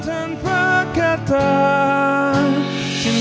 tidak ada yang takut